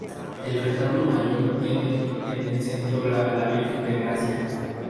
El retablo mayor tiene en el centro a la Virgen de Gracia.